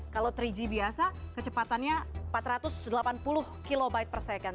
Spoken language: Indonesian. kalau tiga g biasa kecepatannya empat ratus delapan puluh kb per second